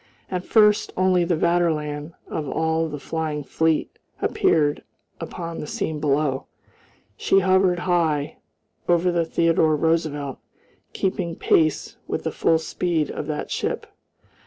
At first only the Vaterland of all the flying fleet appeared upon the scene below. She hovered high, over the Theodore Roosevelt, keeping pace with the full speed of that ship.